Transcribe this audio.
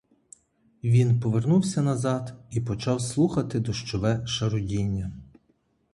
Він повернувся назад і почав слухати дощове шарудіння.